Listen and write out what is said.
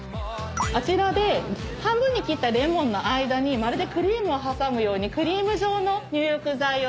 あちらで半分に切ったレモンの間にまるでクリームを挟むようにクリーム状の入浴剤を付けて。